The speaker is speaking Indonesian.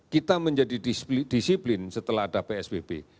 kita menjadi disiplin setelah ada psbb